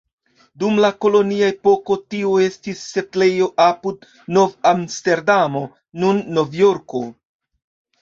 Dum la kolonia epoko tio estis setlejo apud Nov-Amsterdamo, nun Novjorko.